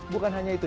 bukan hanya itu